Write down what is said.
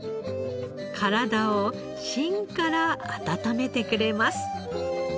体を芯から温めてくれます。